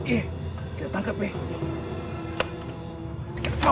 kita tangkap ya